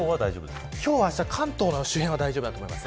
今日は関東の周辺は大丈夫だと思います。